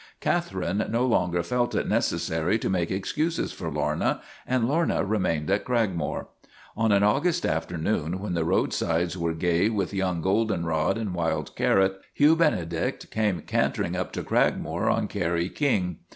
Catherine no longer felt it necessary to make ex cuses for Lorna, and Lorna remained at Cragmore. On an August afternoon, when the roadsides were gay with young goldenrod and wild carrot, Hugh Benedict came cantering up to Cragmore on Kerry King.